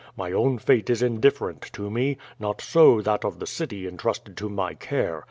My own fate is indifferent to me; not so that of the city intrusted to my care.